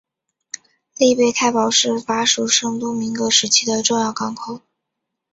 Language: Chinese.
利贝泰堡是法属圣多明戈时期的重要港口。